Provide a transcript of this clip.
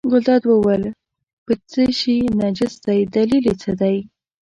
ګلداد وویل په څه شي نجس دی دلیل یې څه دی.